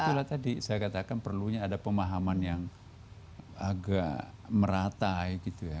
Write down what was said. itulah tadi saya katakan perlunya ada pemahaman yang agak merata gitu ya